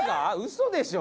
嘘でしょ？